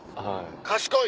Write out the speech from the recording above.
賢い。